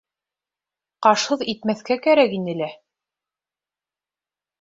— Ҡашһыҙ итмәҫкә кәрәк ине лә.